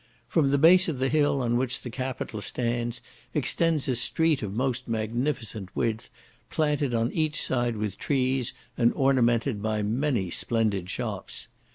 From the base of the hill on which the capitol stands extends a street of most magnificent width, planted on each side with trees, and ornamented by many splendid shops.